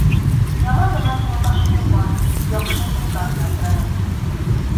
Яман менән юлдаш булма: яҡшы юлдан яҙҙырыр.